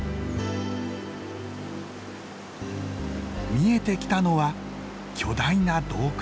見えてきたのは巨大な洞窟。